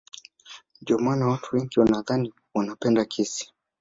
Ndio maana watu wengine wanadhani wanapenda kesi